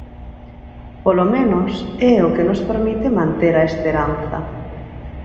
Polo menos é o que nos permite manter a esperanza.